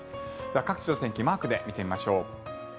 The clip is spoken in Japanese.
各地の天気マークで見てみましょう。